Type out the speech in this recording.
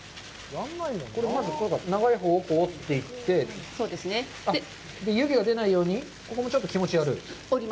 これまず長いほうを折っていって、湯気が出ないように、ここもちょっと気持ち折る？